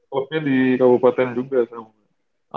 ya klubnya di kabupaten juga